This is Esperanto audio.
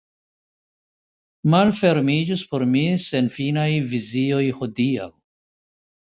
Malfermiĝis por mi senfinaj vizioj hodiaŭ.